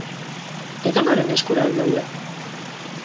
Edonoren eskura al daude?